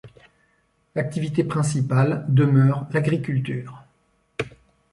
L'activité principale demeure l'agriculture.